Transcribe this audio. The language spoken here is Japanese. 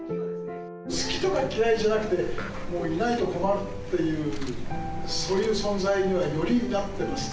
好きとか嫌いじゃなくて、もういないと困るという、そういう存在には、よりなってますね。